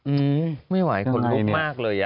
อืมไม่ไหวขนลุกมากเลยอ่ะ